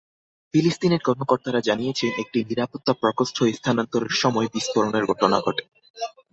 ফিলিস্তিনের কর্মকর্তারা জানিয়েছেন, একটি নিরাপত্তা প্রকোষ্ঠ স্থানান্তরের সময় বিস্ফোরণের ঘটনা ঘটে।